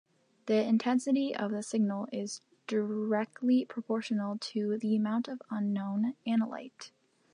The intensity of the signal is directly proportional to the amount of unknown analyte.